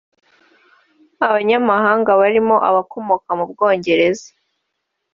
Abanyamahanga barimo abakomoka mu Bwongereza